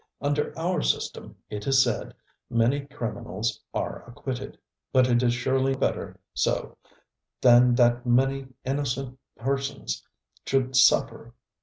Under our system, it is said, many criminals are acquitted; but it is surely better so than that many innocent persons should suffer.